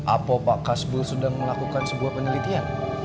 apo pak kasbul sudah melakukan sebuah penelitian